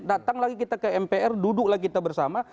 datang lagi kita ke mpr duduk lagi kita bersama